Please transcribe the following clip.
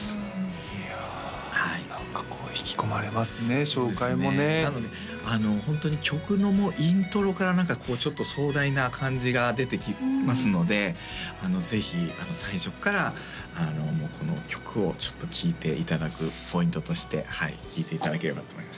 いや何かこう引き込まれますね紹介もねなのでホントに曲のイントロから何かこうちょっと壮大な感じが出てきますのでぜひ最初からこの曲を聴いていただくポイントとしてはい聴いていただければと思います